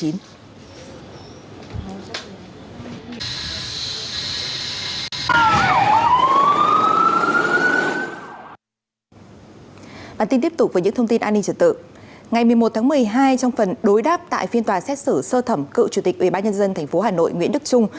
ngày một mươi một tháng một mươi hai trong phần đối đáp tại phiên tòa xét xử sơ thẩm cựu chủ tịch ubnd tp hà nội nguyễn đức trung